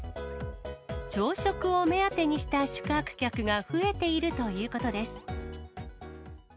朝食を目当てにした宿泊客が増えているということです。